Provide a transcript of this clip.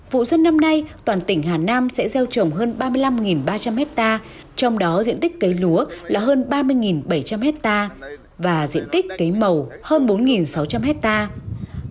vụ xuân năm nay toàn tỉnh hà nam sẽ gieo trồng hơn ba mươi năm ba trăm linh hectare trong đó diện tích cấy lúa là hơn ba mươi bảy trăm linh hectare và diện tích cấy màu hơn bốn sáu trăm linh hectare